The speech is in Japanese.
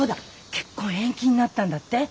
結婚延期になったんだって？